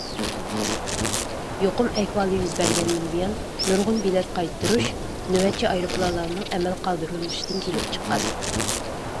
يۇقۇم ئەھۋالى يۈز بەرگەندىن بۇيان، نۇرغۇن بېلەت قايتۇرۇش نۆۋەتچى ئايروپىلانلارنىڭ ئەمەلدىن قالدۇرۇلۇشىدىن كېلىپ چىققان.